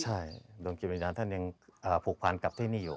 ใช่ดวงจิตวิญญาณท่านยังผูกพันกับที่นี่อยู่